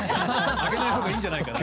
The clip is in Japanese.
あげないほうがいいんじゃないかなと。